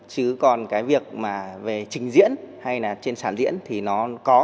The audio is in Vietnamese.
chứ còn cái việc mà về trình diễn hay là trên sản diễn thì nó có